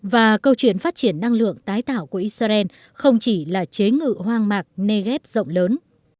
và câu chuyện phát triển năng lượng tái tạo của israel không chỉ là chế ngự hoang mạc nê ghép rộng lớn